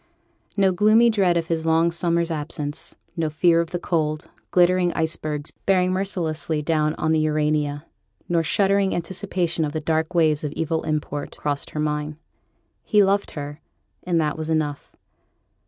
No gloomy dread of his long summer's absence; no fear of the cold, glittering icebergs bearing mercilessly down on the Urania, nor shuddering anticipation of the dark waves of evil import, crossed her mind. He loved her, and that was enough.